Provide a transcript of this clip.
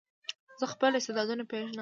زه خپل استعدادونه پېژنم.